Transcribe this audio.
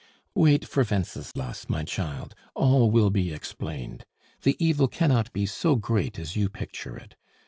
"Wait for Wenceslas, my child; all will be explained. The evil cannot be so great as you picture it!